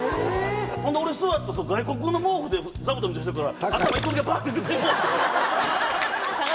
ほんで俺座ったら外国の毛布で座布団みたいにしてるから頭１個だけバッて出てもうて。